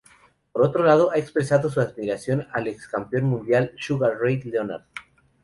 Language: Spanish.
Por otro lado, ha expresado su admiración al ex campeón mundial Sugar Ray Leonard.